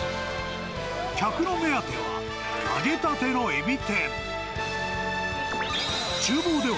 客の目当ては、揚げたてのエビ天。